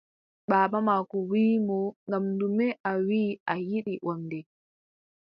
Baaba maako wii mo: ngam ɗume a wii a yiɗi wamnde?